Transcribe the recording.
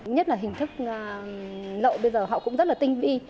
nhất là hình thức lậu bây giờ họ cũng rất là tinh vi